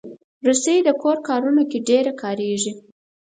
رسۍ د کور کارونو کې ډېره کارېږي.